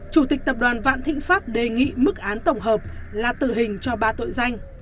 chủ tịch tập đoàn vạn thịnh pháp đề nghị mức án tổng hợp là tử hình cho ba tội danh